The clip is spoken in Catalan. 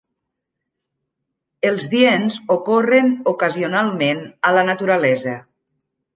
Els diens ocorren ocasionalment a la naturalesa.